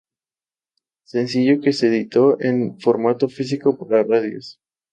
Sencillo que se editó en formato físico para radios.